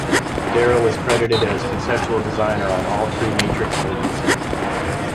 Darrow was credited as 'Conceptual Designer' on all three "Matrix" movies.